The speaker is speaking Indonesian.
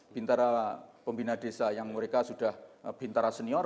bintara pembina desa yang mereka sudah bintara senior